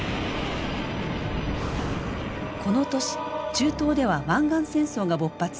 この年中東では湾岸戦争が勃発。